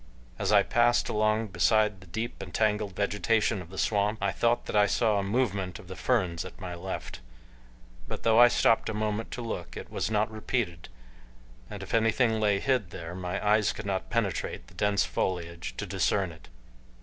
As I passed along beside the deep and tangled vegetation of the swamp I thought that I saw a movement of the ferns at my left, but though I stopped a moment to look it was not repeated, and if anything lay hid there my eyes could not penetrate the dense foliage to discern it.